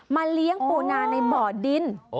เลี้ยงปูนาในบ่อดิน